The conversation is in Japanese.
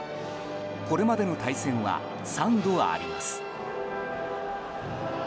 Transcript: これまでの対戦は３度あります。